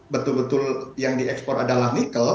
betul betul yang diekspor adalah nikel